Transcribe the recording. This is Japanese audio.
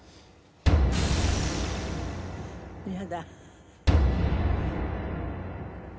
やだ。